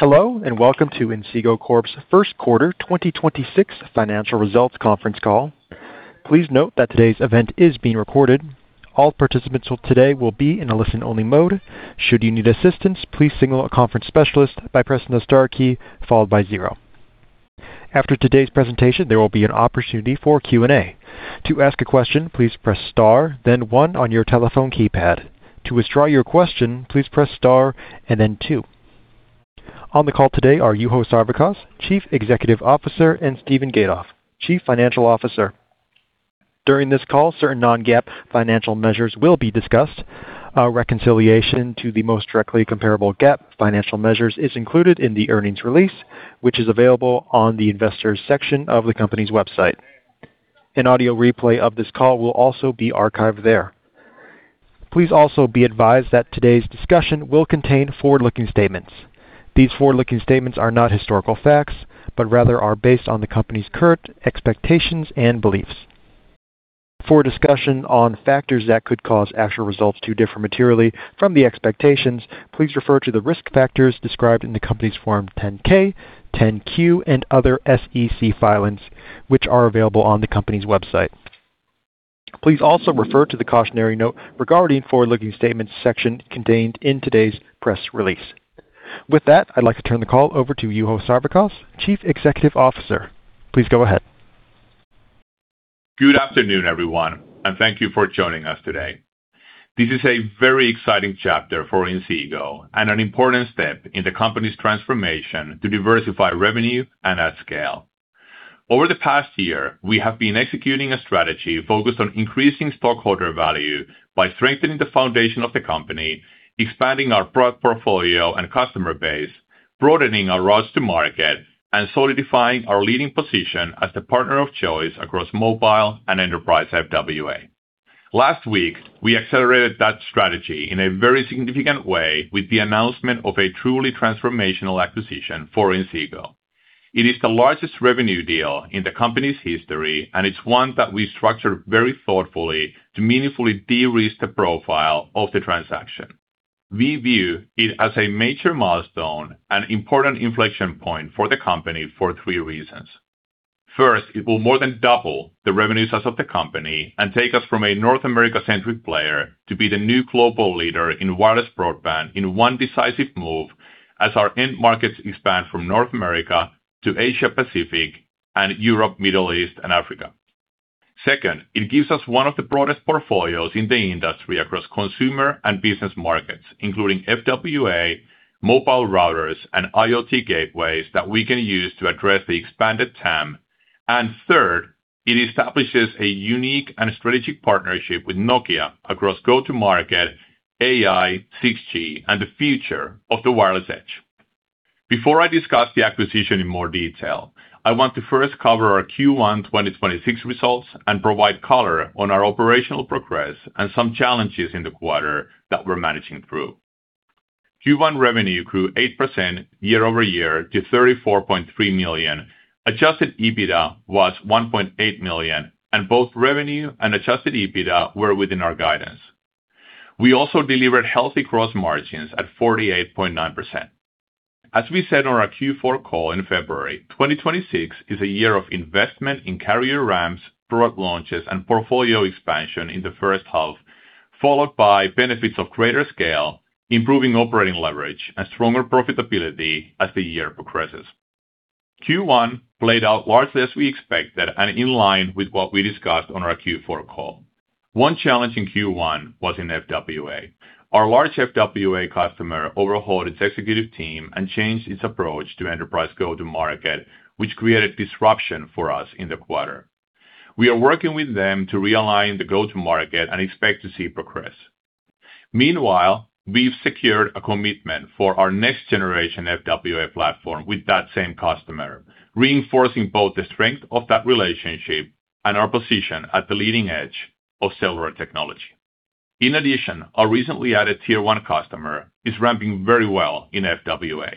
Hello, and welcome to Inseego Corp's first quarter 2026 financial results conference call. Please note that today's event is being recorded. All participants today will be in a listen-only mode. Should you need assistance, please signal a conference specialist by pressing the star key followed by zero. After today's presentation, there will be an opportunity for Q&A. To ask a question, please press star then one on your telephone keypad. To withdraw your question, please press star and then two. On the call today are Juho Sarvikas, Chief Executive Officer, and Steven Gatoff, Chief Financial Officer. During this call, certain non-GAAP financial measures will be discussed. A reconciliation to the most directly comparable GAAP financial measures is included in the earnings release, which is available on the investors section of the company's website. An audio replay of this call will also be archived there. Please also be advised that today's discussion will contain forward-looking statements. These forward-looking statements are not historical facts, but rather are based on the company's current expectations and beliefs. For discussion on factors that could cause actual results to differ materially from the expectations, please refer to the risk factors described in the company's form 10-K, 10-Q, and other SEC filings, which are available on the company's website. Please also refer to the cautionary note regarding forward-looking statements section contained in today's press release. With that, I'd like to turn the call over to Juho Sarvikas, Chief Executive Officer. Please go ahead. Good afternoon, everyone, and thank you for joining us today. This is a very exciting chapter for Inseego and an important step in the company's transformation to diversify revenue and at scale. Over the past year, we have been executing a strategy focused on increasing stockholder value by strengthening the foundation of the company, expanding our product portfolio and customer base, broadening our routes to market, and solidifying our leading position as the partner of choice across mobile and enterprise FWA. Last week, we accelerated that strategy in a very significant way with the announcement of a truly transformational acquisition for Inseego. It is the largest revenue deal in the company's history, and it's one that we structured very thoughtfully to meaningfully de-risk the profile of the transaction. We view it as a major milestone and important inflection point for the company for three reasons. First, it will more than double the revenue size of the company and take us from a North America-centric player to be the new global leader in wireless broadband in one decisive move as our end markets expand from North America to Asia-Pacific and Europe, Middle East, and Africa. Second, it gives us one of the broadest portfolios in the industry across consumer and business markets, including FWA, mobile routers, and IoT gateways that we can use to address the expanded TAM. Third, it establishes a unique and strategic partnership with Nokia across go-to-market, AI, 6G, and the future of the wireless edge. Before I discuss the acquisition in more detail, I want to first cover our Q1 2026 results and provide color on our operational progress and some challenges in the quarter that we're managing through. Q1 revenue grew 8% year-over-year to $34.3 million. Adjusted EBITDA was $1.8 million. Both revenue and Adjusted EBITDA were within our guidance. We also delivered healthy gross margins at 48.9%. As we said on our Q4 call in February, 2026 is a year of investment in carrier ramps, product launches, and portfolio expansion in the first half, followed by benefits of greater scale, improving operating leverage, and stronger profitability as the year progresses. Q1 played out largely as we expected and in line with what we discussed on our Q4 call. One challenge in Q1 was in FWA. Our large FWA customer overhauled its executive team and changed its approach to enterprise go-to-market, which created disruption for us in the quarter. We are working with them to realign the go-to-market and expect to see progress. Meanwhile, we've secured a commitment for our next generation FWA platform with that same customer, reinforcing both the strength of that relationship and our position at the leading edge of cellular technology. Our recently added tier one customer is ramping very well in FWA.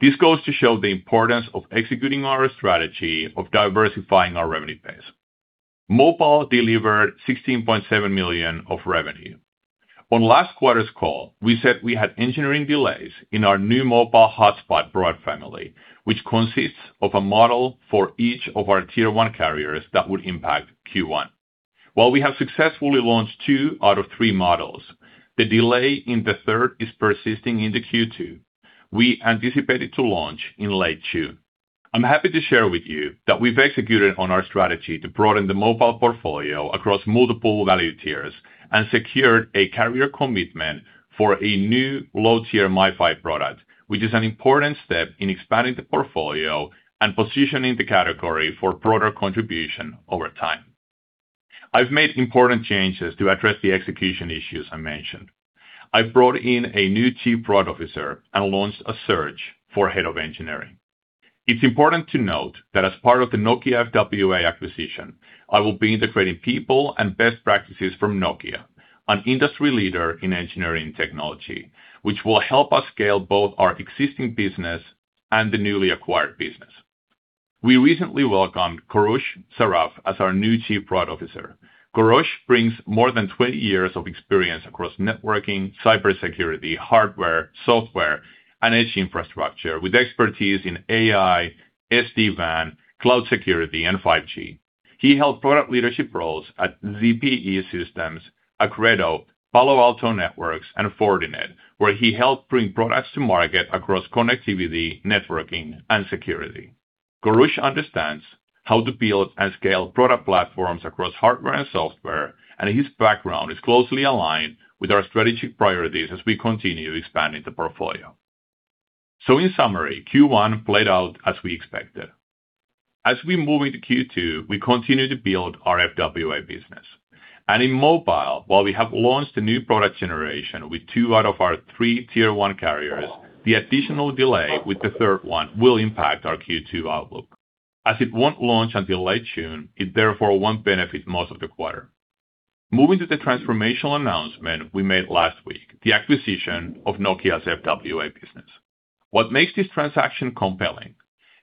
This goes to show the importance of executing our strategy of diversifying our revenue base. Mobile delivered $16.7 million of revenue. On last quarter's call, we said we had engineering delays in our new mobile hotspot product family, which consists of a model for each of our tier one carriers that would impact Q1. While we have successfully launched two out of three models, the delay in the third is persisting into Q2. We anticipate it to launch in late June. I'm happy to share with you that we've executed on our strategy to broaden the mobile portfolio across multiple value tiers and secured a carrier commitment for a new low-tier MiFi product, which is an important step in expanding the portfolio and positioning the category for broader contribution over time. I've made important changes to address the execution issues I mentioned. I've brought in a new Chief Product Officer and launched a search for head of engineering. It's important to note that as part of the Nokia FWA acquisition, I will be integrating people and best practices from Nokia, an industry leader in engineering technology, which will help us scale both our existing business and the newly acquired business. We recently welcomed Koroush Saraf as our new Chief Product Officer. Koroush brings more than 20 years of experience across networking, cybersecurity, hardware, software, and edge infrastructure with expertise in AI, SD-WAN, cloud security, and 5G. He held product leadership roles at VPE Systems, Accredo, Palo Alto Networks, and Fortinet, where he helped bring products to market across connectivity, networking, and security. Koroush understands how to build and scale product platforms across hardware and software, and his background is closely aligned with our strategic priorities as we continue expanding the portfolio. In summary, Q1 played out as we expected. As we move into Q2, we continue to build our FWA business. In mobile, while we have launched a new product generation with two out of our three tier one carriers, the additional delay with the third one will impact our Q2 outlook. As it won't launch until late June, it therefore won't benefit most of the quarter. Moving to the transformational announcement we made last week, the acquisition of Nokia's FWA business. What makes this transaction compelling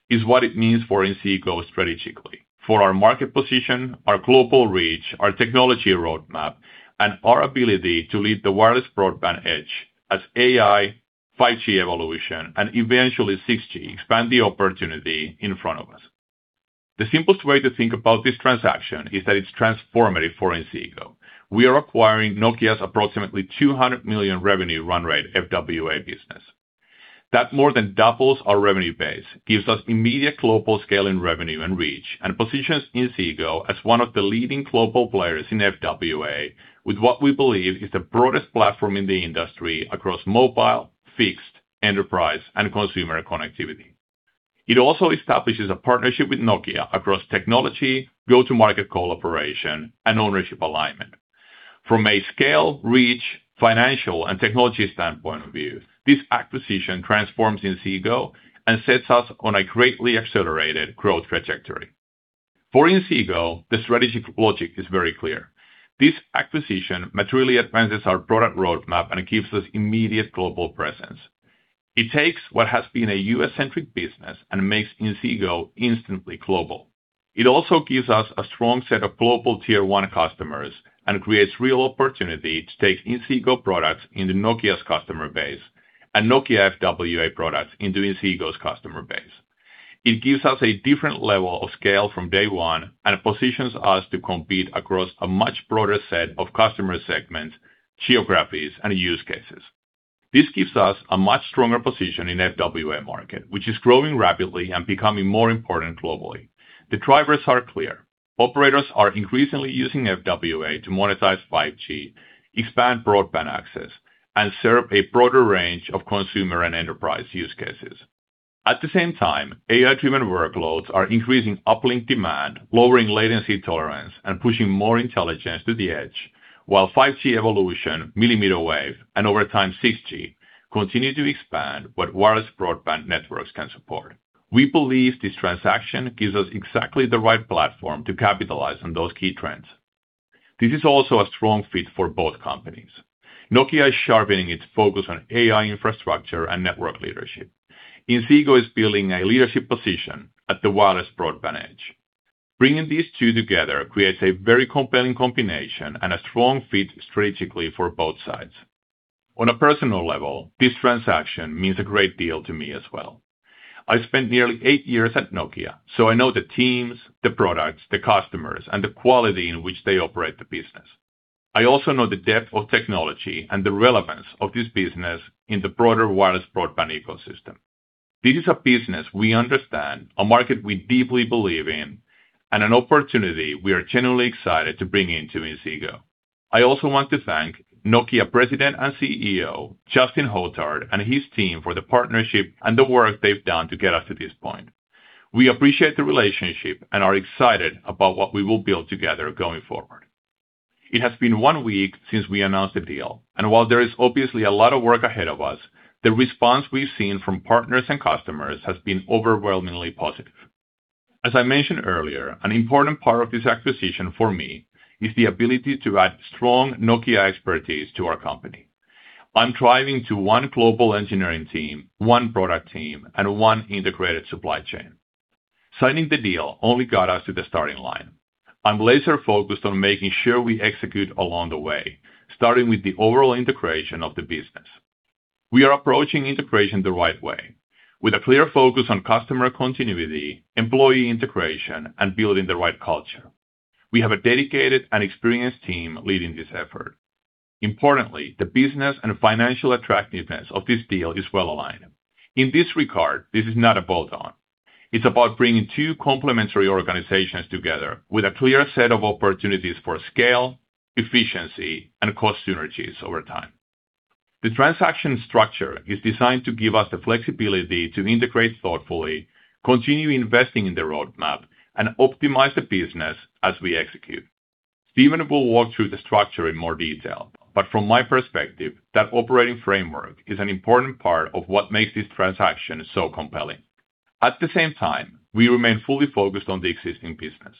is what it means for Inseego strategically. For our market position, our global reach, our technology roadmap, and our ability to lead the wireless broadband edge as AI, 5G evolution, and eventually 6G expand the opportunity in front of us. The simplest way to think about this transaction is that it's transformative for Inseego. We are acquiring Nokia's approximately $200 million revenue run rate FWA business. That more than doubles our revenue base, gives us immediate global scale in revenue and reach, and positions Inseego as one of the leading global players in FWA with what we believe is the broadest platform in the industry across mobile, fixed, enterprise, and consumer connectivity. It also establishes a partnership with Nokia across technology, go-to-market cooperation, and ownership alignment. From a scale, reach, financial, and technology standpoint of view, this acquisition transforms Inseego and sets us on a greatly accelerated growth trajectory. For Inseego, the strategic logic is very clear. This acquisition materially advances our product roadmap and gives us immediate global presence. It takes what has been a U.S.-centric business and makes Inseego instantly global. It also gives us a strong set of global tier one customers and creates real opportunity to take Inseego products into Nokia's customer base and Nokia FWA products into Inseego's customer base. It gives us a different level of scale from day one and positions us to compete across a much broader set of customer segments, geographies, and use cases. This gives us a much stronger position in FWA market, which is growing rapidly and becoming more important globally. The drivers are clear. Operators are increasingly using FWA to monetize 5G, expand broadband access, and serve a broader range of consumer and enterprise use cases. At the same time, AI-driven workloads are increasing uplink demand, lowering latency tolerance, and pushing more intelligence to the edge, while 5G evolution, millimeter wave, and over time 6G continue to expand what wireless broadband networks can support. We believe this transaction gives us exactly the right platform to capitalize on those key trends. This is also a strong fit for both companies. Nokia is sharpening its focus on AI infrastructure and network leadership. Inseego is building a leadership position at the wireless broadband edge. Bringing these two together creates a very compelling combination and a strong fit strategically for both sides. On a personal level, this transaction means a great deal to me as well. I spent nearly 8 years at Nokia, so I know the teams, the products, the customers, and the quality in which they operate the business. I also know the depth of technology and the relevance of this business in the broader wireless broadband ecosystem. This is a business we understand, a market we deeply believe in, and an opportunity we are genuinely excited to bring into Inseego. I also want to thank Nokia President and CEO Justin Hotard and his team for the partnership and the work they've done to get us to this point. We appreciate the relationship and are excited about what we will build together going forward. It has been one week since we announced the deal, and while there is obviously a lot of work ahead of us, the response we've seen from partners and customers has been overwhelmingly positive. As I mentioned earlier, an important part of this acquisition for me is the ability to add strong Nokia expertise to our company. I'm striving to one global engineering team, one product team, and one integrated supply chain. Signing the deal only got us to the starting line. I'm laser focused on making sure we execute along the way, starting with the overall integration of the business. We are approaching integration the right way, with a clear focus on customer continuity, employee integration, and building the right culture. We have a dedicated and experienced team leading this effort. Importantly, the business and financial attractiveness of this deal is well aligned. In this regard, this is not a bolt-on. It's about bringing two complementary organizations together with a clear set of opportunities for scale, efficiency, and cost synergies over time. The transaction structure is designed to give us the flexibility to integrate thoughtfully, continue investing in the roadmap, and optimize the business as we execute. Steven will walk through the structure in more detail, but from my perspective, that operating framework is an important part of what makes this transaction so compelling. At the same time, we remain fully focused on the existing business.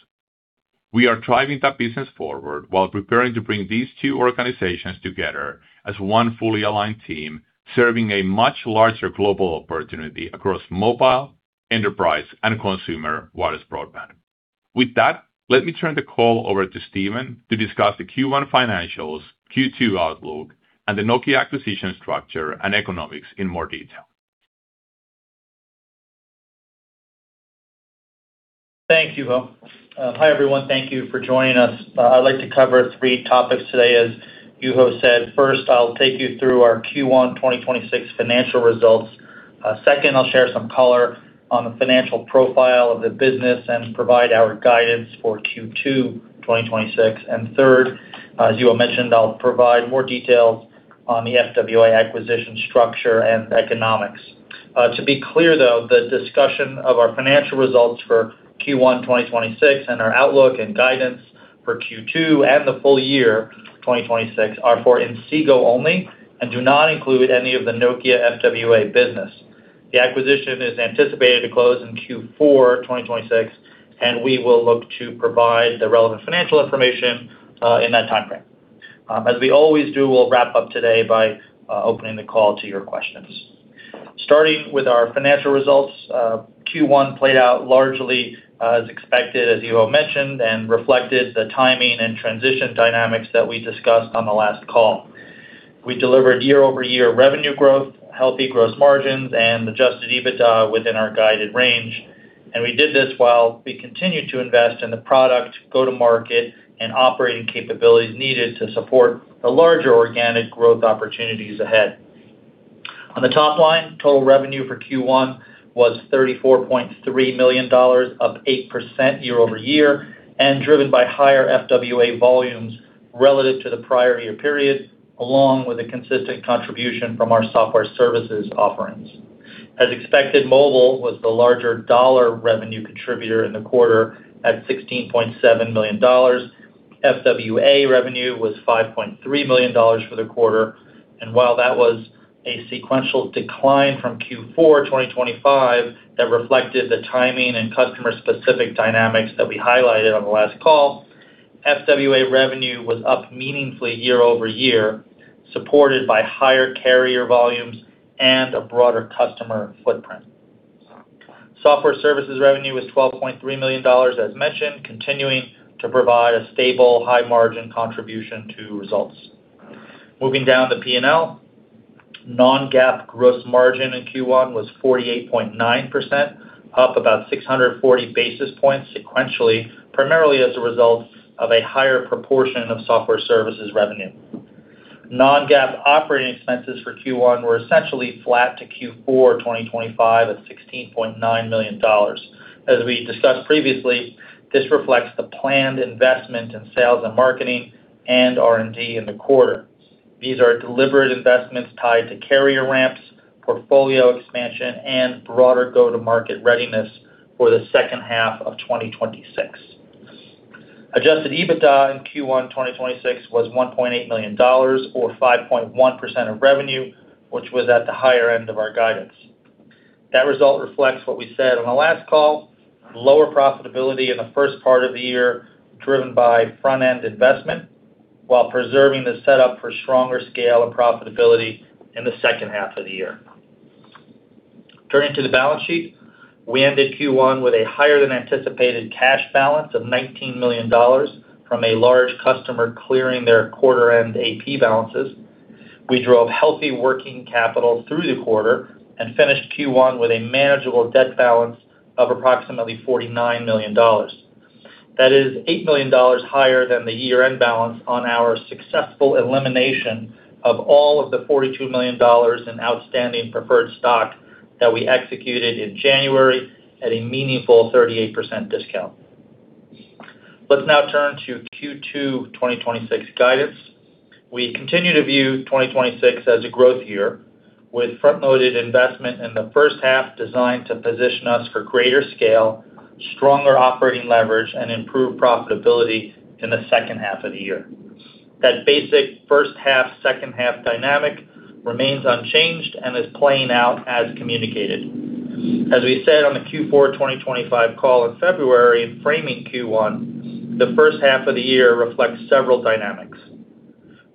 We are driving that business forward while preparing to bring these two organizations together as one fully aligned team, serving a much larger global opportunity across mobile, enterprise, and consumer wireless broadband. With that, let me turn the call over to Steven to discuss the Q1 financials, Q2 outlook, and the Nokia acquisition structure and economics in more detail. Thank you, Juho. Hi, everyone. Thank you for joining us. I'd like to cover 3 topics today. As Juho said, First, I'll take you through our Q1 2026 financial results. Second, I'll share some color on the financial profile of the business and provide our guidance for Q2 2026. Third, as Juho mentioned, I'll provide more details on the FWA acquisition structure and economics. To be clear, though, the discussion of our financial results for Q1 2026 and our outlook and guidance for Q2 and the full year 2026 are for Inseego only and do not include any of the Nokia FWA business. The acquisition is anticipated to close in Q4 2026, and we will look to provide the relevant financial information in that timeframe. As we always do, we'll wrap up today by opening the call to your questions. Starting with our financial results, Q1 played out largely as expected, as Juho mentioned, and reflected the timing and transition dynamics that we discussed on the last call. We delivered year-over-year revenue growth, healthy gross margins, and adjusted EBITDA within our guided range, and we did this while we continued to invest in the product, go-to-market, and operating capabilities needed to support the larger organic growth opportunities ahead. On the top line, total revenue for Q1 was $34.3 million, up 8% year-over-year, and driven by higher FWA volumes relative to the prior year period, along with a consistent contribution from our software services offerings. As expected, mobile was the larger dollar revenue contributor in the quarter at $16.7 million. FWA revenue was $5.3 million for the quarter. While that was a sequential decline from Q4 2025, that reflected the timing and customer-specific dynamics that we highlighted on the last call. FWA revenue was up meaningfully year-over-year, supported by higher carrier volumes and a broader customer footprint. Software services revenue was $12.3 million, as mentioned, continuing to provide a stable high-margin contribution to results. Moving down to P&L. Non-GAAP gross margin in Q1 was 48.9%, up about 640 basis points sequentially, primarily as a result of a higher proportion of software services revenue. Non-GAAP operating expenses for Q1 were essentially flat to Q4 2025 at $16.9 million. As we discussed previously, this reflects the planned investment in sales and marketing and R&D in the quarter. These are deliberate investments tied to carrier ramps, portfolio expansion, and broader go-to-market readiness for the second half of 2026. Adjusted EBITDA in Q1 2026 was $1.8 million or 5.1% of revenue, which was at the higher end of our guidance. That result reflects what we said on the last call, lower profitability in the first part of the year, driven by front-end investment, while preserving the setup for stronger scale and profitability in the second half of the year. Turning to the balance sheet. We ended Q1 with a higher than anticipated cash balance of $19 million from a large customer clearing their quarter end AP balances. We drove healthy working capital through the quarter and finished Q1 with a manageable debt balance of approximately $49 million. That is $8 million higher than the year-end balance on our successful elimination of all of the $42 million in outstanding preferred stock that we executed in January at a meaningful 38% discount. Let's now turn to Q2 2026 guidance. We continue to view 2026 as a growth year with front-loaded investment in the first half designed to position us for greater scale, stronger operating leverage, and improved profitability in the second half of the year. That basic first half, second half dynamic remains unchanged and is playing out as communicated. As we said on the Q4 2025 call in February, framing Q1, the first half of the year reflects several dynamics.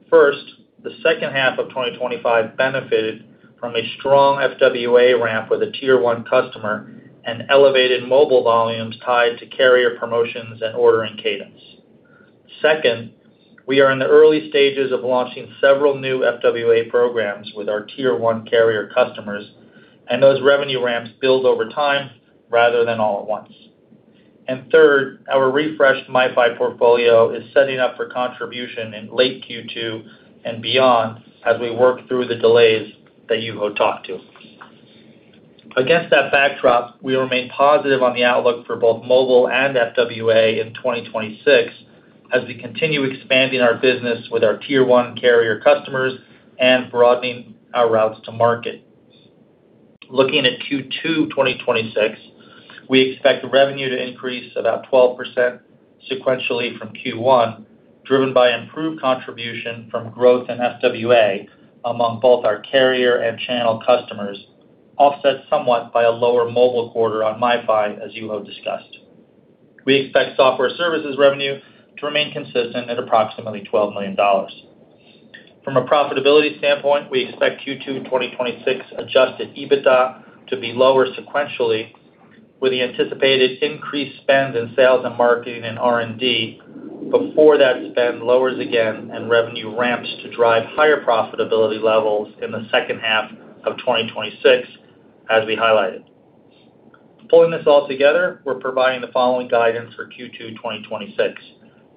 First, the second half of 2025 benefited from a strong FWA ramp with a tier one customer and elevated mobile volumes tied to carrier promotions and ordering cadence. Second, we are in the early stages of launching several new FWA programs with our tier 1 carrier customers. Those revenue ramps build over time rather than all at once. Third, our refreshed MiFi portfolio is setting up for contribution in late Q2 and beyond as we work through the delays that Juho talked to. Against that backdrop, we remain positive on the outlook for both mobile and FWA in 2026 as we continue expanding our business with our tier 1 carrier customers and broadening our routes to market. Looking at Q2 2026, we expect revenue to increase about 12% sequentially from Q1. Driven by improved contribution from growth in FWA among both our carrier and channel customers, offset somewhat by a lower mobile quarter on MiFi, as Juho discussed. We expect software services revenue to remain consistent at approximately $12 million. From a profitability standpoint, we expect Q2 2026 adjusted EBITDA to be lower sequentially, with the anticipated increased spend in sales and marketing and R&D before that spend lowers again and revenue ramps to drive higher profitability levels in the second half of 2026, as we highlighted. Pulling this all together, we're providing the following guidance for Q2 2026.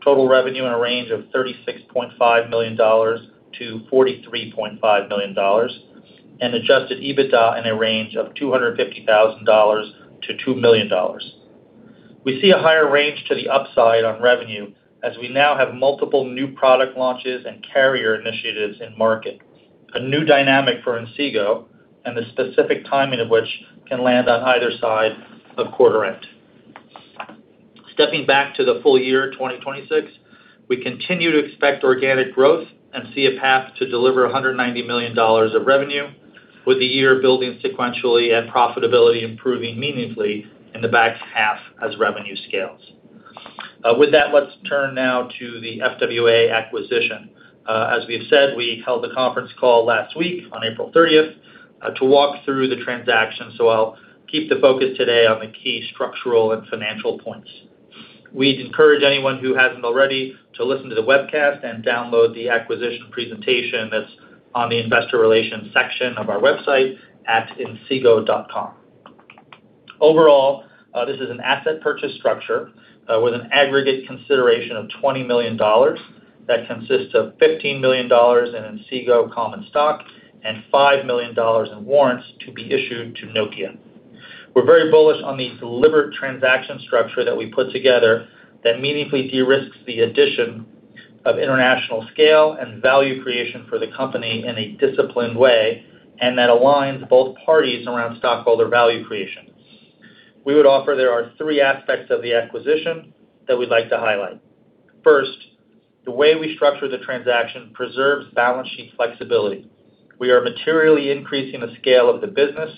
Total revenue in a range of $36.5 million-$43.5 million, and adjusted EBITDA in a range of $250,000-$2 million. We see a higher range to the upside on revenue as we now have multiple new product launches and carrier initiatives in market, a new dynamic for Inseego, and the specific timing of which can land on either side of quarter end. Stepping back to the full year 2026, we continue to expect organic growth and see a path to deliver $190 million of revenue, with the year building sequentially and profitability improving meaningfully in the back half as revenue scales. With that, let's turn now to the FWA acquisition. As we have said, we held a conference call last week on April 30th to walk through the transaction, I'll keep the focus today on the key structural and financial points. We'd encourage anyone who hasn't already to listen to the webcast and download the acquisition presentation that's on the investor relations section of our website at inseego.com. Overall, this is an asset purchase structure with an aggregate consideration of $20 million. That consists of $15 million in Inseego common stock and $5 million in warrants to be issued to Nokia. We're very bullish on the delivered transaction structure that we put together that meaningfully de-risks the addition of international scale and value creation for the company in a disciplined way. That aligns both parties around stockholder value creation. We would offer there are three aspects of the acquisition that we'd like to highlight. First, the way we structure the transaction preserves balance sheet flexibility. We are materially increasing the scale of the business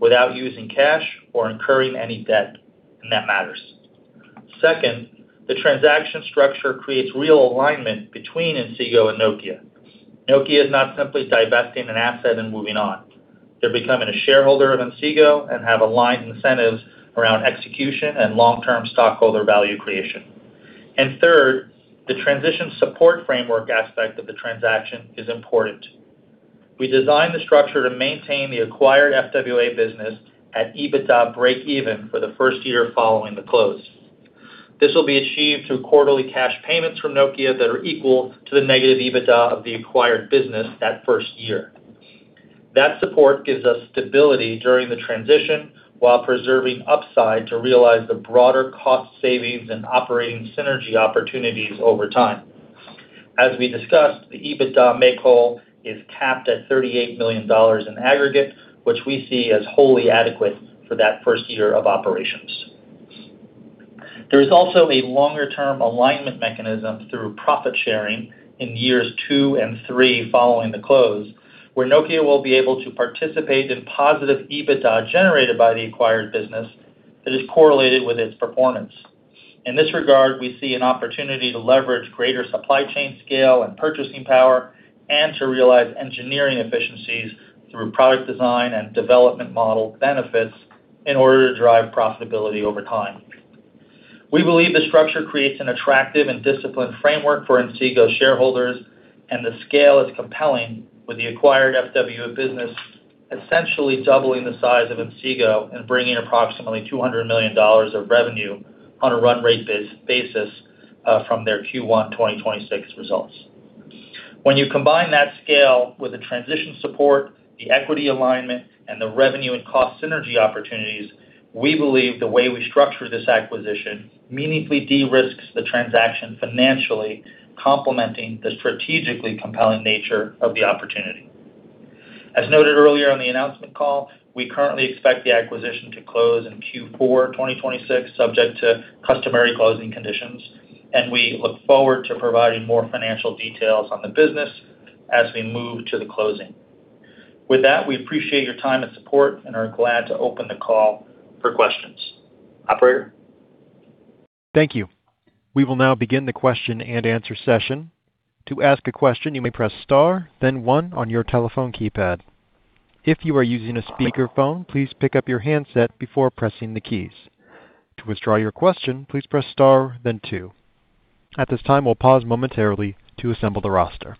without using cash or incurring any debt. That matters. Second, the transaction structure creates real alignment between Inseego and Nokia. Nokia is not simply divesting an asset and moving on. They're becoming a shareholder of Inseego and have aligned incentives around execution and long-term stockholder value creation. Third, the transition support framework aspect of the transaction is important. We designed the structure to maintain the acquired FWA business at EBITDA break even for the first year following the close. This will be achieved through quarterly cash payments from Nokia that are equal to the negative EBITDA of the acquired business that first year. That support gives us stability during the transition while preserving upside to realize the broader cost savings and operating synergy opportunities over time. As we discussed, the EBITDA make whole is capped at $38 million in aggregate, which we see as wholly adequate for that first year of operations. There is also a longer-term alignment mechanism through profit sharing in years two and three following the close, where Nokia will be able to participate in positive EBITDA generated by the acquired business that is correlated with its performance. In this regard, we see an opportunity to leverage greater supply chain scale and purchasing power and to realize engineering efficiencies through product design and development model benefits in order to drive profitability over time. We believe the structure creates an attractive and disciplined framework for Inseego shareholders. The scale is compelling with the acquired FW business essentially doubling the size of Inseego and bringing approximately $200 million of revenue on a run rate basis from their Q1 2026 results. When you combine that scale with the transition support, the equity alignment, and the revenue and cost synergy opportunities, we believe the way we structure this acquisition meaningfully de-risks the transaction financially, complementing the strategically compelling nature of the opportunity. As noted earlier on the announcement call, we currently expect the acquisition to close in Q4 2026, subject to customary closing conditions, and we look forward to providing more financial details on the business as we move to the closing. With that, we appreciate your time and support and are glad to open the call for questions. Operator? Thank you. We will now begin the question-and-answer session. To ask a question, you may press star then one on your telephone keypad. If you are using a speakerphone, please pick up your handset before pressing the keys. To withdraw your question, please press star then two. At this time, we'll pause momentarily to assemble the roster.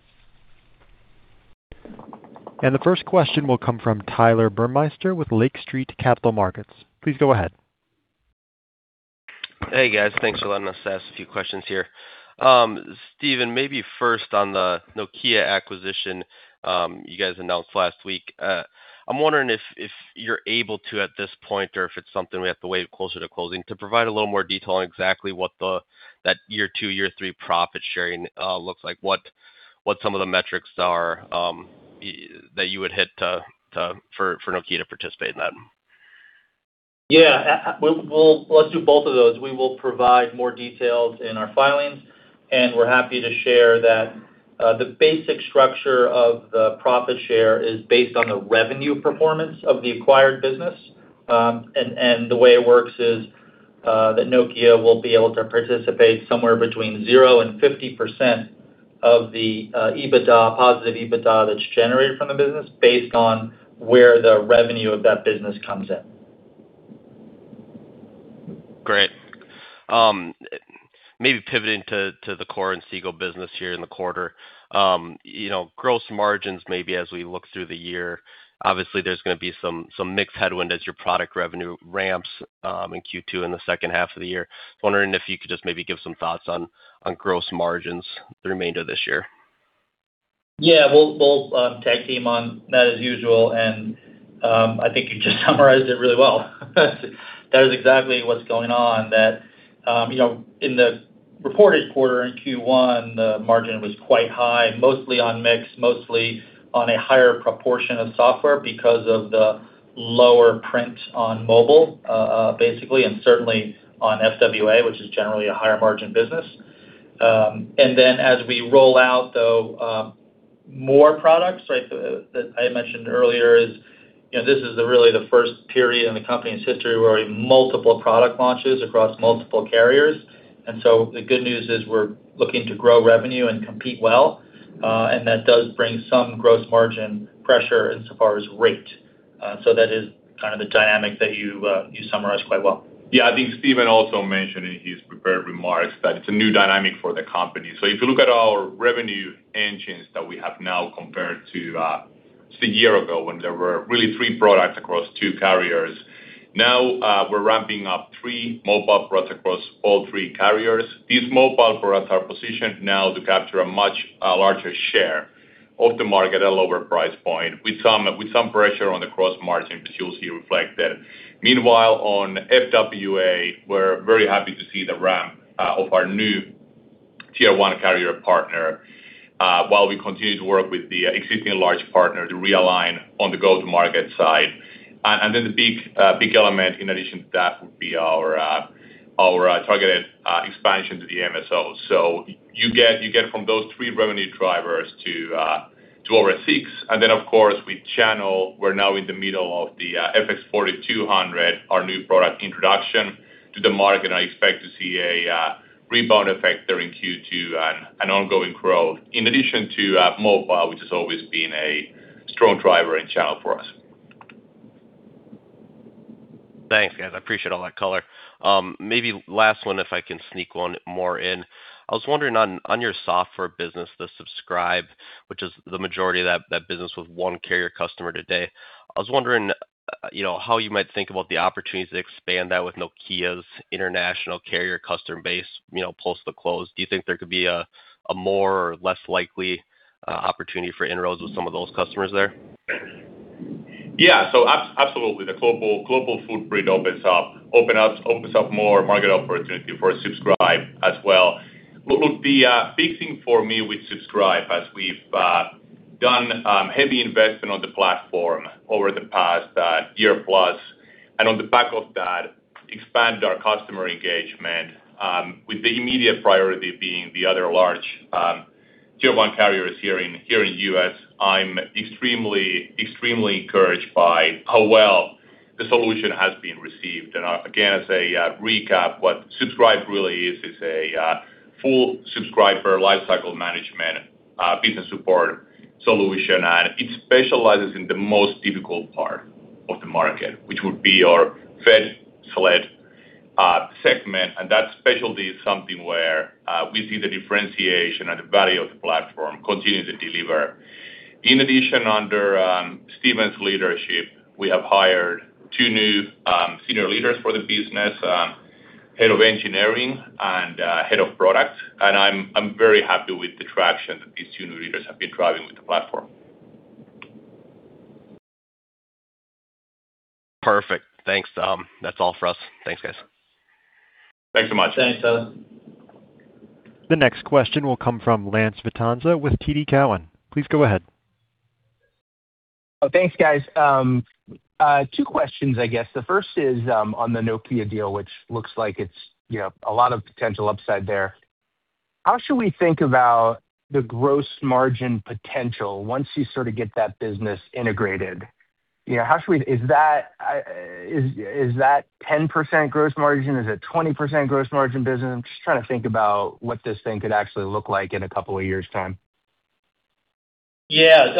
The first question will come from Tyler Burmeister with Lake Street Capital Markets. Please go ahead. Hey, guys. Thanks for letting us ask a few questions here. Steven, maybe first on the Nokia acquisition, you guys announced last week. I'm wondering if you're able to at this point or if it's something we have to wait closer to closing to provide a little more detail on exactly what that year two, year three profit sharing looks like. What some of the metrics are that you would hit for Nokia to participate in that? Yeah, let's do both of those. We will provide more details in our filings, and we're happy to share that, the basic structure of the profit share is based on the revenue performance of the acquired business. The way it works is that Nokia will be able to participate somewhere between 0 and 50% of the EBITDA, positive EBITDA that's generated from the business based on where the revenue of that business comes in. Great. Maybe pivoting to the core and Inseego business here in the quarter. You know, gross margins, maybe as we look through the year, obviously there's gonna be some mixed headwind as your product revenue ramps in Q2, in the second half of the year. Wondering if you could just maybe give some thoughts on gross margins the remainder of this year? Yeah. We'll tag team on that as usual. I think you just summarized it really well. That is exactly what's going on, that, you know, in the reported quarter in Q1, the margin was quite high, mostly on mix, mostly on a higher proportion of software because of the lower print on mobile, basically, and certainly on FWA, which is generally a higher margin business. As we roll out, though, more products, right? I mentioned earlier is, you know, this is the really the first period in the company's history where multiple product launches across multiple carriers. The good news is we're looking to grow revenue and compete well, and that does bring some gross margin pressure in so far as rate. That is kind of the dynamic that you summarized quite well. Yeah. I think Steven also mentioned in his prepared remarks that it's a new dynamic for the company. If you look at our revenue engines that we have now compared to, say a year ago when there were really three products across two carriers. Now, we're ramping up three mobile products across all three carriers. These mobile products are positioned now to capture a much larger share of the market at a lower price point with some pressure on the cross-margin, which you'll see reflected. Meanwhile, on FWA, we're very happy to see the ramp of our new tier one carrier partner while we continue to work with the existing large partner to realign on the go-to-market side. The big element in addition to that would be our targeted expansion to the MSO. You get from those three revenue drivers to over six. Of course, with channel, we're now in the middle of the FX4200, our new product introduction to the market, and I expect to see a rebound effect there in Q2 and ongoing growth, in addition to mobile, which has always been a strong driver in channel for us. Thanks, guys. I appreciate all that color. Maybe last one, if I can sneak one more in. I was wondering on your software business, the Subscribe, which is the majority of that business with one carrier customer today. I was wondering, you know, how you might think about the opportunities to expand that with Nokia's international carrier customer base, you know, post the close. Do you think there could be a more or less likely opportunity for inroads with some of those customers there? Yeah. Absolutely. The global footprint opens up more market opportunity for Subscribe as well. What would be a big thing for me with Subscribe as we've done heavy investment on the platform over the past year plus, and on the back of that, expand our customer engagement with the immediate priority being the other large tier one carriers here in U.S. I'm extremely encouraged by how well the solution has been received. Again, as a recap, what Subscribe really is a full subscriber lifecycle management business support solution. It specializes in the most difficult part of the market, which would be our Fed/SLED segment. That specialty is something where we see the differentiation and the value of the platform continuing to deliver. In addition, under Steven's leadership, we have hired two new senior leaders for the business, head of engineering and head of product. I'm very happy with the traction that these two new leaders have been driving with the platform. Perfect. Thanks. That's all for us. Thanks, guys. Thanks so much. Thanks, Tyler. The next question will come from Lance Vitanza with TD Cowen. Please go ahead. Oh, thanks, guys. two questions, I guess. The first is on the Nokia deal, which looks like it's, you know, a lot of potential upside there. How should we think about the gross margin potential once you sort of get that business integrated? You know, is that 10% gross margin? Is it 20% gross margin business? I'm just trying to think about what this thing could actually look like in a couple of years' time. Yeah.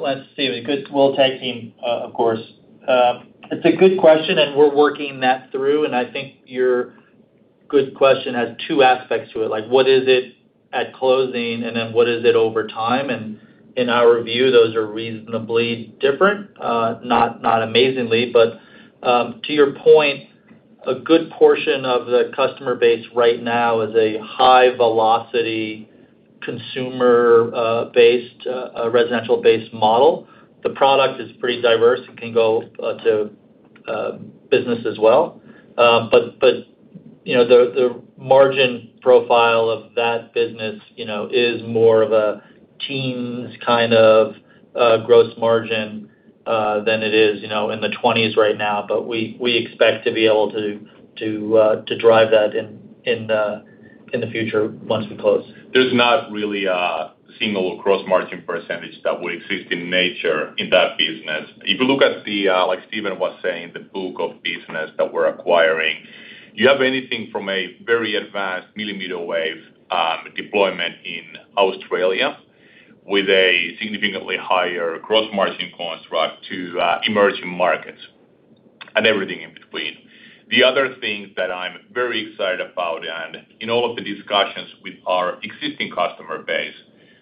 Let's see. We'll tag team, of course. It's a good question, and we're working that through, and I think your good question has two aspects to it. What is it at closing and what is it over time? In our view, those are reasonably different. Not amazingly, to your point, a good portion of the customer base right now is a high velocity consumer-based, residential-based model. The product is pretty diverse. It can go to business as well. You know, the margin profile of that business, you know, is more of a teens kind of gross margin than it is, you know, in the twenties right now. We expect to be able to drive that in the future once we close. There's not really a single gross margin percentage that would exist in nature in that business. If you look at the like Steven was saying, the book of business that we're acquiring, you have anything from a very advanced millimeter wave deployment in Australia with a significantly higher gross margin construct to emerging markets and everything in between. The other things that I'm very excited about, and in all of the discussions with our existing customer base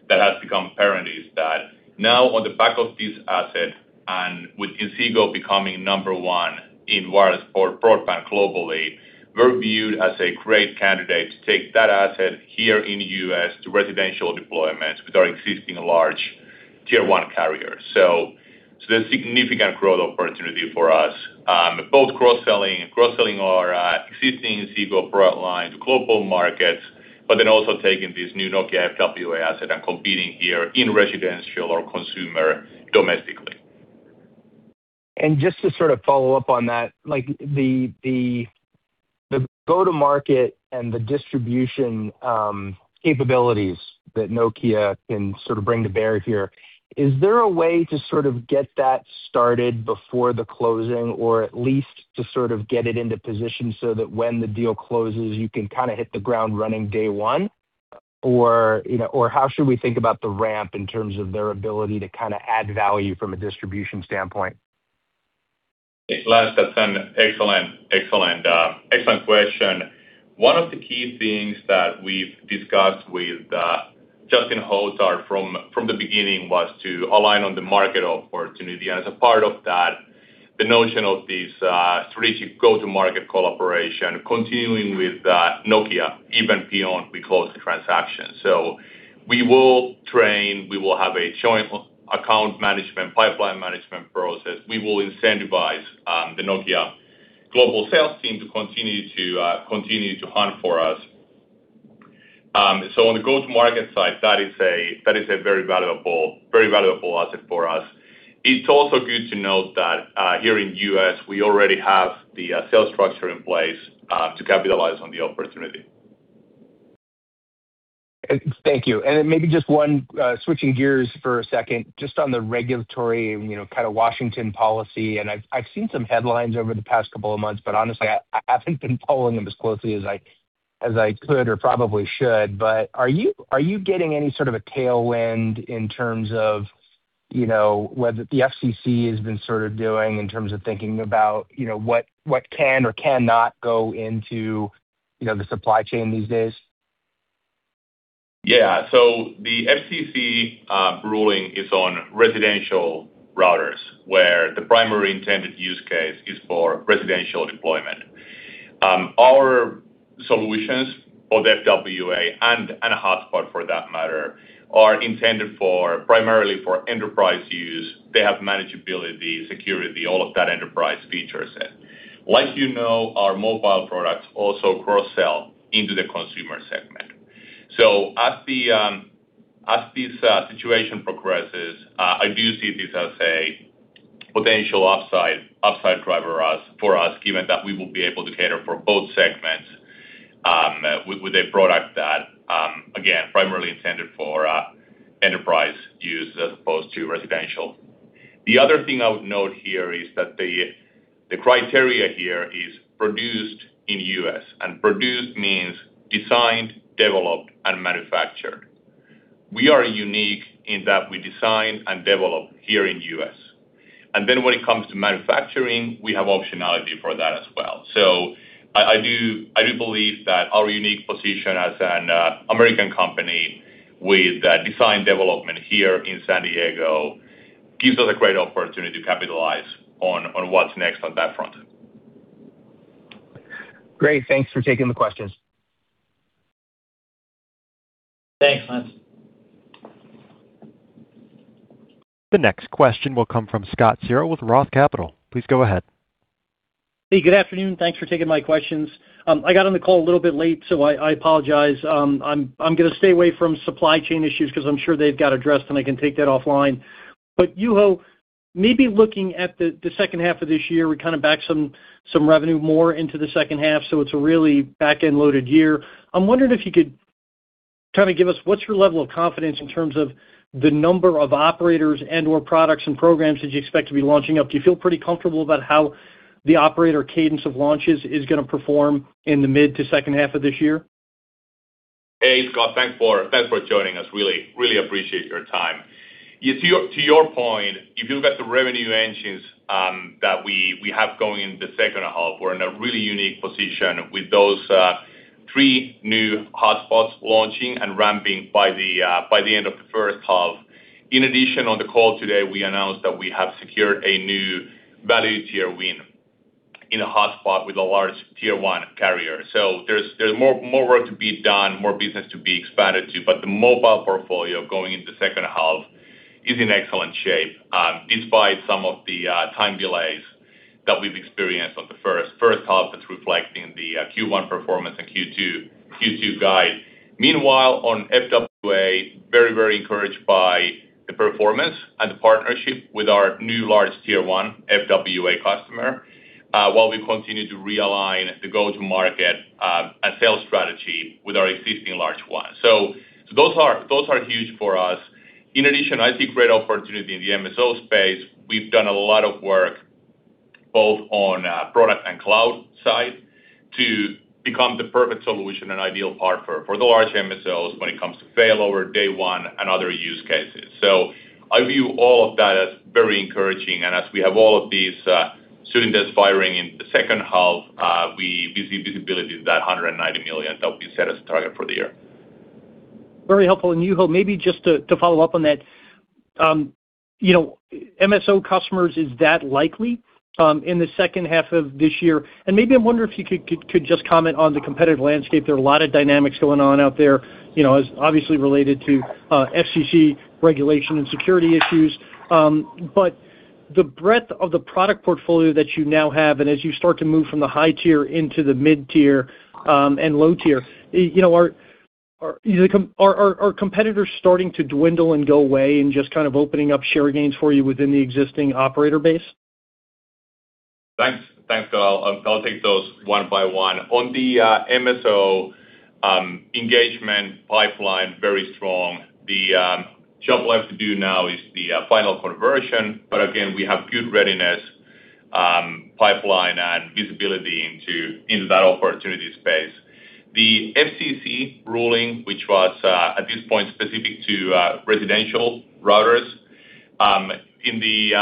that has become apparent, is that now on the back of this asset, and with Inseego becoming number one in wireless or broadband globally, we're viewed as a great candidate to take that asset here in the U.S. to residential deployments with our existing large tier one carrier. There's significant growth opportunity for us, both cross-selling our existing Inseego broadline to global markets, but then also taking this new Nokia FWA asset and competing here in residential or consumer domestically. just to sort of follow up on that, like the, the go-to-market and the distribution, capabilities that Nokia can sort of bring to bear here, is there a way to sort of get that started before the closing or at least to sort of get it into position so that when the deal closes, you can kinda hit the ground running day one? Or, you know, or how should we think about the ramp in terms of their ability to kinda add value from a distribution standpoint? Hey, Lance, that's an excellent question. One of the key things that we've discussed with Justin Hotard from the beginning was to align on the market opportunity. As a part of that, the notion of this strategic go-to-market cooperation continuing with Nokia, even beyond we close the transaction. We will train, we will have a joint account management, pipeline management process. We will incentivize the Nokia global sales team to continue to hunt for us. On the go-to-market side, that is a very valuable asset for us. It's also good to note that here in the U.S., we already have the sales structure in place to capitalize on the opportunity. Thank you. Maybe just one, switching gears for a second, just on the regulatory and, you know, kinda Washington policy, and I've seen some headlines over the past couple of months, but honestly, I haven't been following them as closely as I could or probably should. Are you getting any sort of a tailwind in terms of, you know, whether the FCC has been sort of doing in terms of thinking about, you know, what can or cannot go into, you know, the supply chain these days? The FCC ruling is on residential routers, where the primary intended use case is for residential deployment. Our solutions for the FWA and hotspot for that matter, are primarily for enterprise use. They have manageability, security, all of that enterprise features set. Like you know, our mobile products also cross-sell into the consumer segment. As the situation progresses, I do see this as a potential upside driver for us, given that we will be able to cater for both segments with a product that again, primarily intended for enterprise use as opposed to residential. The other thing I would note here is that the criteria here is produced in U.S., produced means designed, developed, and manufactured. We are unique in that we design and develop here in U.S. When it comes to manufacturing, we have optionality for that as well. I do believe that our unique position as an American company with design development here in San Diego gives us a great opportunity to capitalize on what's next on that front. Great. Thanks for taking the questions. Thanks, Lance. The next question will come from Scott Searle with Roth Capital. Please go ahead. Hey, good afternoon. Thanks for taking my questions. I got on the call a little bit late, so I apologize. Juho, maybe looking at the 2nd half of this year, we kinda backed some revenue more into the 2nd half, so it's a really back-end loaded year. I'm wondering if you could kinda give us what's your level of confidence in terms of the number of operators and/or products and programs that you expect to be launching up. Do you feel pretty comfortable about how the operator cadence of launches is gonna perform in the mid to 2nd half of this year? Hey, Scott. Thanks for joining us. Really appreciate your time. To your point, if you look at the revenue engines that we have going in the second half, we're in a really unique position with those three new hotspots launching and ramping by the end of the first half. On the call today, we announced that we have secured a new value tier win in a hotspot with a large tier one carrier. There's more work to be done, more business to be expanded to, the mobile portfolio going into second half is in excellent shape, despite some of the time delays that we've experienced on the first half that's reflecting the Q1 performance and Q2 guide. Meanwhile, on FWA, very, very encouraged by the performance and the partnership with our new large tier 1 FWA customer, while we continue to realign the go-to-market and sales strategy with our existing large one. Those are huge for us. In addition, I see great opportunity in the MSO space. We've done a lot of work both on product and cloud side to become the perfect solution and ideal partner for the large MSOs when it comes to failover day one and other use cases. I view all of that as very encouraging. As we have all of these cylinders firing in the second half, we see visibility to that $190 million that we set as a target for the year. Very helpful. Juho, maybe just to follow up on that. you know, MSO customers, is that likely in the second half of this year? Maybe I wonder if you could just comment on the competitive landscape. There are a lot of dynamics going on out there, you know, as obviously related to FCC regulation and security issues. The breadth of the product portfolio that you now have, and as you start to move from the high tier into the mid tier, and low tier, you know, are competitors starting to dwindle and go away and just kind of opening up share gains for you within the existing operator base? Thanks. Thanks, Scott. I'll take those one by one. On the MSO engagement pipeline, very strong. The job left to do now is the final conversion. Again, we have good readiness, pipeline and visibility into that opportunity space. The FCC ruling, which was at this point specific to residential routers, in the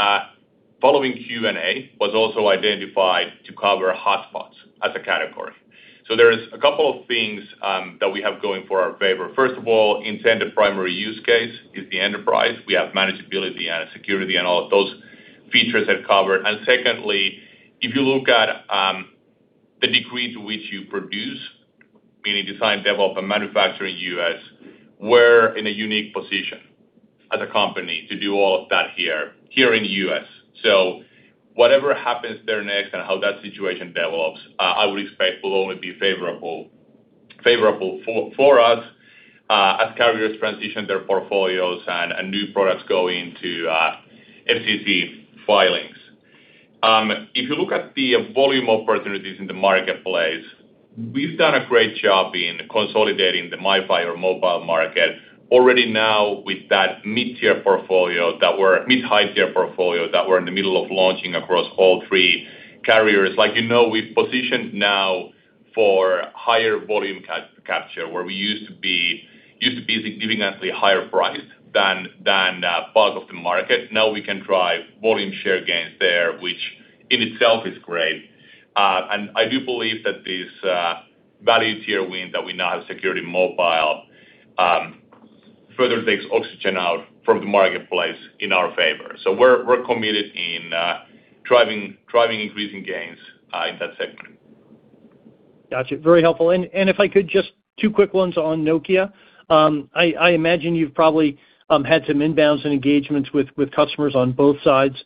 following Q&A, was also identified to cover hotspots as a category. There's a couple of things that we have going for our favor. First of all, intended primary use case is the enterprise. We have manageability and security and all of those features have covered. Secondly, if you look at the degree to which you produce, meaning design, develop, and manufacture in U.S., we're in a unique position as a company to do all of that here in the U.S. Whatever happens there next and how that situation develops, I would expect will only be favorable for us, as carriers transition their portfolios and new products go into FCC filings. If you look at the volume opportunities in the marketplace, we've done a great job in consolidating the MiFi or mobile market. Already now with that mid-high tier portfolio that we're in the middle of launching across all three carriers. Like, you know, we've positioned now for higher volume capture, where we used to be significantly higher price than part of the market. Now we can drive volume share gains there, which in itself is great. I do believe that this value tier win that we now have secured in mobile, further takes oxygen out from the marketplace in our favor. We're committed in driving increasing gains in that sector. Got you. Very helpful. If I could, just two quick ones on Nokia. I imagine you've probably had some inbounds and engagements with customers on both sides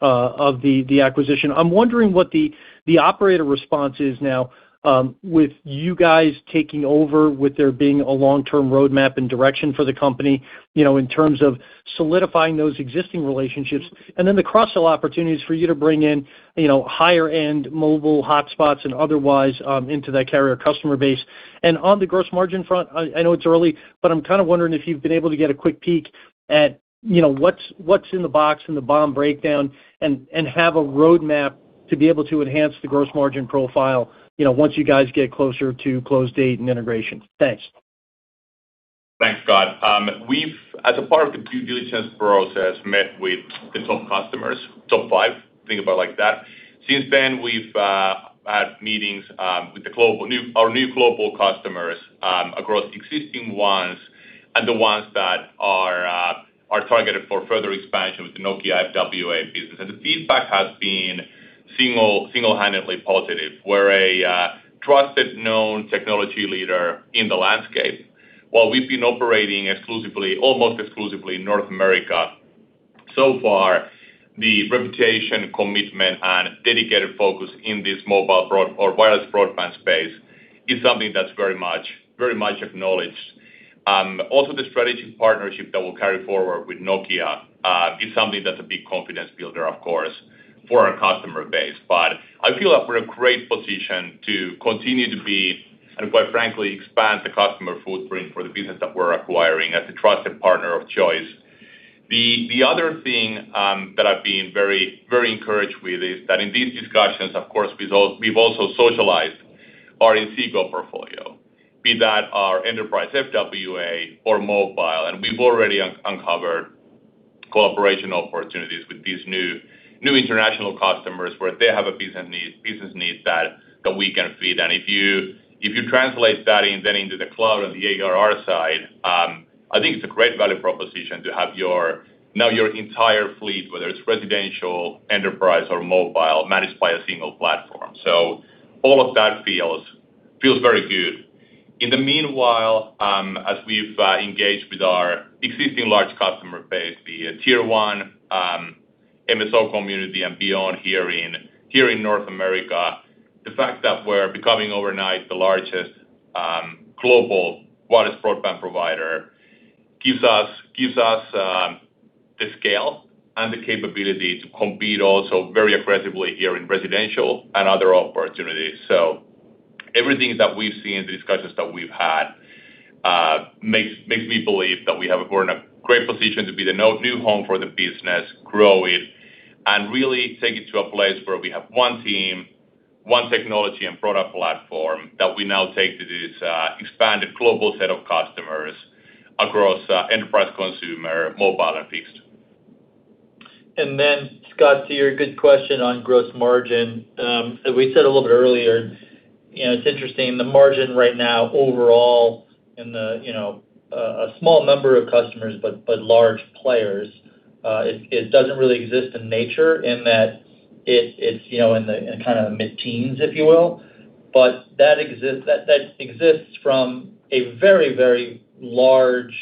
of the acquisition. I'm wondering what the operator response is now with you guys taking over, with there being a long-term roadmap and direction for the company, you know, in terms of solidifying those existing relationships. Then the cross-sell opportunities for you to bring in, you know, higher-end mobile hotspots and otherwise into that carrier customer base. On the gross margin front, I know it's early, but I'm kinda wondering if you've been able to get a quick peek at, you know, what's in the box and the BOM breakdown and have a roadmap to be able to enhance the gross margin profile, you know, once you guys get closer to close date and integration. Thanks. Thanks, Scott. We've, as a part of the due diligence process, met with the top customers, top five, think about it like that. Since then, we've had meetings with the global, our new global customers across existing ones and the ones that are targeted for further expansion with the Nokia FWA business. The feedback has been single-handedly positive. We're a trusted, known technology leader in the landscape. While we've been operating exclusively, almost exclusively in North America so far, the reputation, commitment, and dedicated focus in this mobile broad or wireless broadband space is something that's very much acknowledged. Also the strategic partnership that we'll carry forward with Nokia is something that's a big confidence builder, of course, for our customer base. I feel that we're in a great position to continue to be, and quite frankly, expand the customer footprint for the business that we're acquiring as a trusted partner of choice. The other thing that I've been very, very encouraged with is that in these discussions, of course, we've also socialized our Inseego portfolio, be that our enterprise FWA or mobile. We've already uncovered cooperation opportunities with these new international customers where they have a business need that we can feed. If you translate that in then into the cloud and the ARR side, I think it's a great value proposition to have your, now your entire fleet, whether it's residential, enterprise or mobile, managed by a single platform. All of that feels very good. In the meanwhile, as we've engaged with our existing large customer base, the tier one MSO community and beyond here in North America, the fact that we're becoming overnight the largest global wireless broadband provider gives us the scale and the capability to compete also very aggressively here in residential and other opportunities. Everything that we've seen, the discussions that we've had, makes me believe that we're in a great position to be the new home for the business, grow it, and really take it to a place where we have one team, one technology and product platform that we now take to this expanded global set of customers across enterprise consumer, mobile, and fixed. Scott, to your good question on gross margin, as we said a little bit earlier, you know, it's interesting, the margin right now overall in the, you know, a small number of customers, but large players, it doesn't really exist in nature in that it's, you know, in the, in kind of mid-teens, if you will. That exists from a very, very large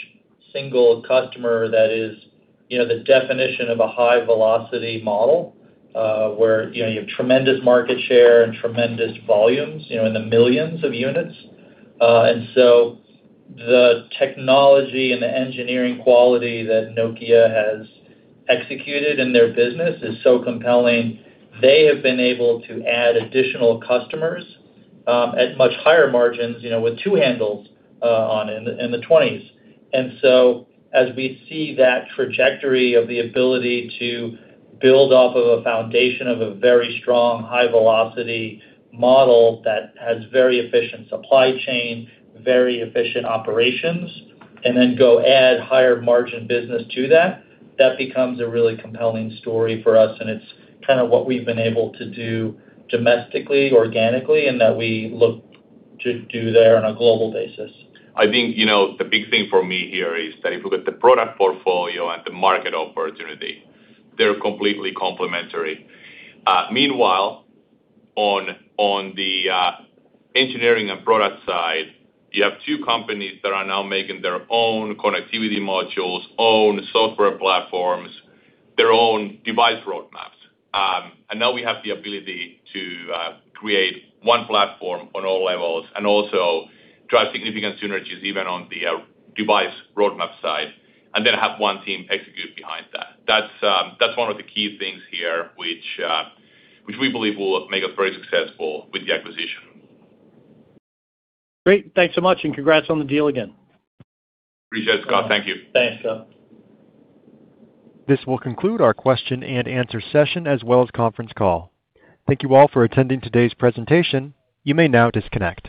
single customer that is, you know, the definition of a high velocity model, where, you know, you have tremendous market share and tremendous volumes, you know, in the millions of units. The technology and the engineering quality that Nokia has executed in their business is so compelling, they have been able to add additional customers, at much higher margins, you know, with two handles, on in the twenties. As we see that trajectory of the ability to build off of a foundation of a very strong high velocity model that has very efficient supply chain, very efficient operations, and then go add higher margin business to that becomes a really compelling story for us, and it's kinda what we've been able to do domestically, organically, and that we look to do there on a global basis. I think, you know, the big thing for me here is that if you look at the product portfolio and the market opportunity, they're completely complementary. Meanwhile, on the engineering and product side, you have two companies that are now making their own connectivity modules, own software platforms, their own device roadmaps. Now we have the ability to create one platform on all levels and also drive significant synergies even on the device roadmap side, and then have one team execute behind that. That's one of the key things here which we believe will make us very successful with the acquisition. Great. Thanks so much, and congrats on the deal again. Appreciate it, Scott. Thank you. Thanks, Scott. This will conclude our question and answer session as well as Conference cCall. Thank you all for attending today's presentation. You may now disconnect.